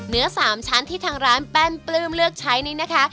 สามชั้นที่ทางร้านแป้นปลื้มเลือกใช้นี้นะคะ